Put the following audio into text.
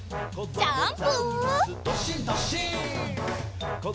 ジャンプ！